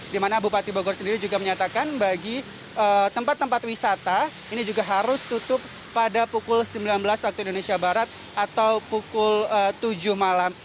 di mana bupati bogor sendiri juga menyatakan bagi tempat tempat wisata ini juga harus tutup pada pukul sembilan belas waktu indonesia barat atau pukul tujuh malam